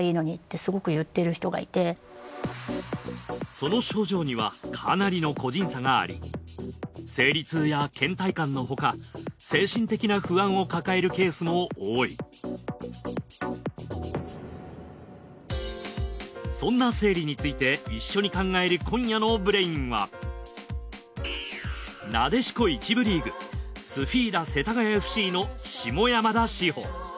その症状にはかなりの個人差があり生理痛や倦怠感の他精神的な不安を抱えるケースも多いそんな生理について一緒に考える今夜のブレインはなでしこ１部リーグスフィーダ世田谷ＦＣの下山田志帆。